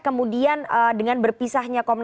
kemudian dengan berpisahnya